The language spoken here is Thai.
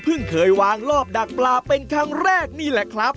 เคยวางรอบดักปลาเป็นครั้งแรกนี่แหละครับ